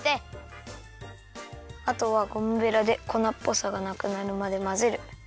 あとはゴムベラでこなっぽさがなくなるまでまぜる！